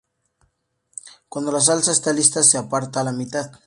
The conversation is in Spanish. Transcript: Cuando la salsa está lista se aparta la mitad.